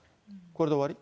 これで終わり？